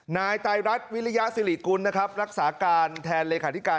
นายไตรรัฐวิริยสิริกุลนะครับรักษาการแทนเลขาธิการ